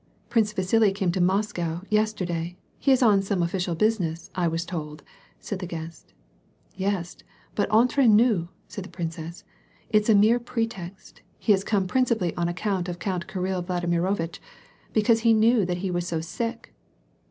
^ "Prince Vasili came to Moscow, yesterday. He is oiw some official business, I was told," said the guest. " Yes, but entre 7ious," said the princess, " it's a mere pretext ; he has come principally on account of Count Kirill Vladimirovitch, because he knew that he was so siclt."